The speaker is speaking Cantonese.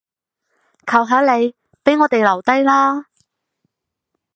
求下你，畀我哋留低啦